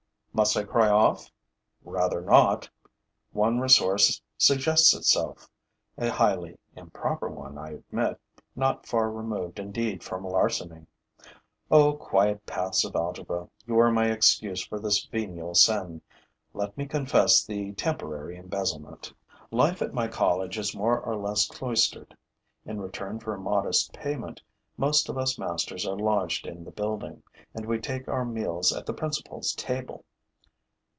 Must I cry off? Rather not! One resource suggests itself: a highly improper one, I admit, not far removed indeed from larceny. O quiet paths of algebra, you are my excuse for this venial sin! Let me confess the temporary embezzlement. Life at my college is more or less cloistered. In return for a modest payment, most of us masters are lodged in the building; and we take our meals at the principal's table.